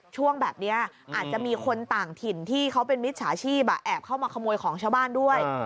จะมีคนต่างถิ่นที่เขาเป็นมิตรชาชีพแอบเข้ามาขโมยของชาวบ้านด้วย